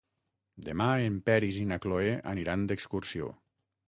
Demà en Peris i na Cloè aniran d'excursió.